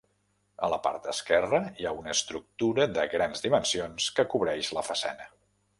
A la part esquerra, hi ha una estructura de grans dimensions que cobreix la façana.